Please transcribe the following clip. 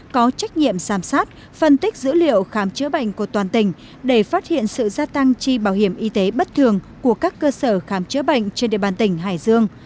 có trách nhiệm giám sát phân tích dữ liệu khám chữa bệnh của toàn tỉnh để phát hiện sự gia tăng chi bảo hiểm y tế bất thường của các cơ sở khám chữa bệnh trên địa bàn tỉnh hải dương